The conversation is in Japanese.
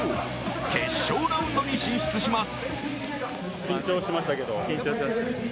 決勝ラウンドに進出します。